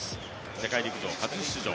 世陸陸上、初出場。